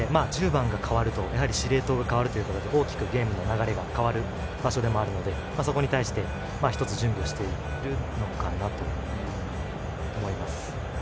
１０番が代わると指令塔が変わるということで大きくゲームの流れが変わる場所でもあるのでそれに対して準備しているのかなと思います。